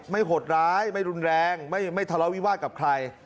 หดร้ายไม่รุนแรงไม่ทะเลาวิวาสกับใคร